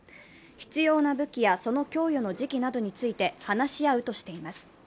必要な武器やその供与の時期などについて話し合うとしています。